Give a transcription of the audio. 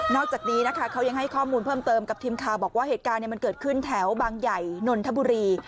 จากนี้นะคะเขายังให้ข้อมูลเพิ่มเติมกับทีมข่าวบอกว่าเหตุการณ์มันเกิดขึ้นแถวบางใหญ่นนทบุรี